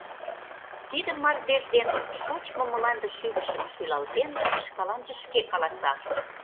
Тиде мардеж дене шочмо мланде шӱлышым шӱлалтен, шкаланже шке каласа: